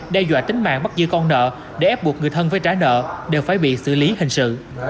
đe dọa tính mạng bắt giữ con nợ để ép buộc người thân phải trả nợ đều phải bị xử lý hình sự